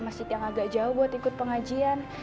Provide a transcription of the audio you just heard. masjid yang agak jauh buat ikut pengajian